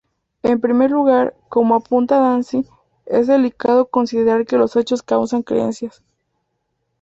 En primer lugar, como apunta Dancy, es delicado considerar que los hechos causan creencias.